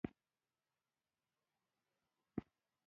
ارواپوهانو په دې اړه يوه ښه خبره کړې ده.